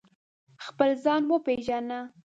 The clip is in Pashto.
خپل ځان و پېژنه